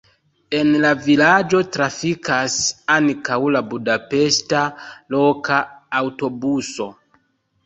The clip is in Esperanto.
En la vilaĝo trafikas ankaŭ la budapeŝta loka aŭtobuso.